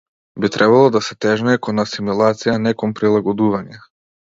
Би требало да се тежнее кон асимилација, а не кон прилагодување.